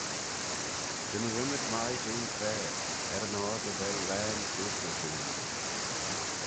Jannoo ymmyd mie jeh'n traa, er-yn-oyr dy vel laghyn seaghnagh ayn.